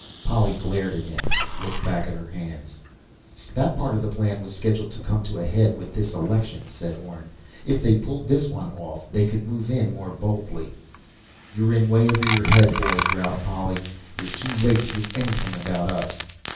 Polly glared at him, looked back at her hands. "That part of the plan was scheduled to come to a head with this election," said Orne. "If they pulled this one off, they could move in more boldly." "You're in way over your head, boy," growled Polly. "You're too late to do anything about us!"